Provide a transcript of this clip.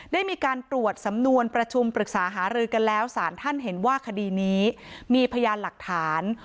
ได้มีการตรวจสำนวนประชุมปรึกษาหารือกันแล้วสารท่านเห็นว่าคดีนี้มีพยานหลักฐาน